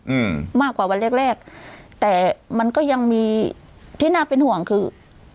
อืมมากกว่าวันแรกแรกแต่มันก็ยังมีที่น่าเป็นห่วงคือ